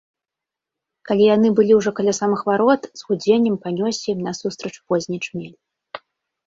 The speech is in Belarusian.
Калі яны былі ўжо каля самых варот, з гудзеннем панёсся ім насустрач позні чмель.